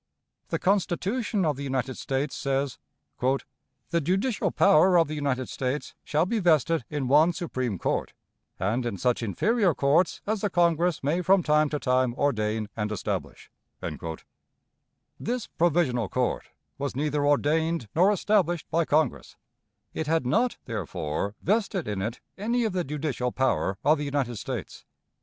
The Constitution of the United States says: "The judicial power of the United States shall be vested in one Supreme Court, and in such inferior courts as the Congress may from time to time ordain and establish," This provisional court was neither ordained nor established by Congress; it had not, therefore, vested in it any of the judicial power of the United States.